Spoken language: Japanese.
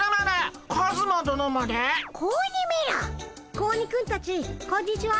子鬼くんたちこんにちは。